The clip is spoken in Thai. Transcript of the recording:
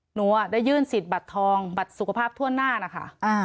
หนูได้ยื่นสิทธิ์บัตรทองบัตรสุขภาพทั่วหน้านะคะ